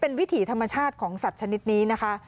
เป็นวิถีธรรมชาติของสัตว์ชนิดนี้นะคะ